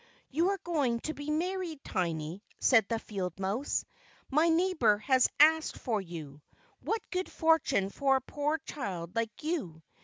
"You are going to be married, Tiny," said the field mouse. "My neighbour has asked for you. What good fortune for a poor child like you!